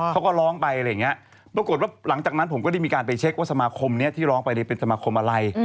เขาก็ร้องไปอะไรอย่างนี้ปรากฏว่าหลังจากนั้นผมก็ได้มีการไปเช็คว่าสมาคมนี้ที่ร้องไปเป็นสมาคมอะไร